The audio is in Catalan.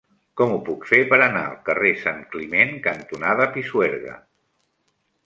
Com ho puc fer per anar al carrer Santcliment cantonada Pisuerga?